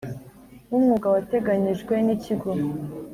w umwuga wateganyijwe n Ikigo